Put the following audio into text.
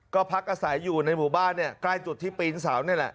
ก็พักอาศัยอยู่ในหมู่บ้านเนี่ยใกล้จุดที่ปีนเสานี่แหละ